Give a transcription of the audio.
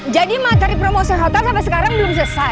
jadi matahari promosi hotel sampai sekarang belum selesai